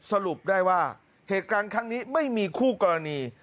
สรุปได้ว่าเหตุการณ์ครั้งนี้ไม่มีคู่กรณี